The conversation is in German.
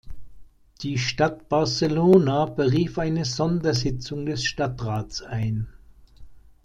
Die Stadt Barcelona berief eine Sondersitzung des Stadtrats ein.